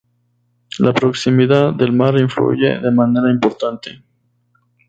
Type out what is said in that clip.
La proximidad del mar influye de manera importante.